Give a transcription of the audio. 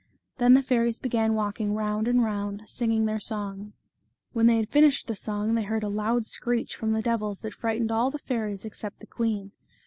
Then the fairies began walking round and round, singing their song. When they had finished the song they heard a loud screech from the devils that frightened all the fairies except the queen.